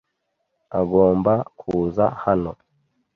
Agomba kuza hano.